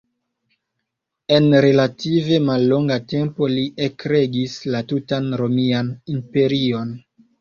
En relative mallonga tempo li ekregis la tutan Romian Imperion.